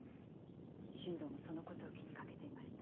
新道もその事を気にかけていました。